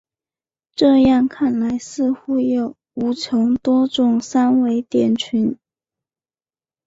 这样看来似乎有无穷多种三维点群。